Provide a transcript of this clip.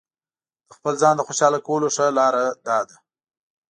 د خپل ځان د خوشاله کولو ښه لاره داده.